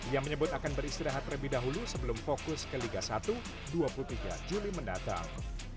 ia menyebut akan beristirahat lebih dahulu sebelum fokus ke liga satu dua puluh tiga juli mendatang